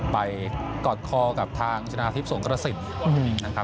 ไปกอดคอกับทางชนะทิพย์สวงกระสิช